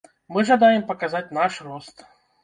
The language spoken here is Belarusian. Мы жадаем паказаць наш рост.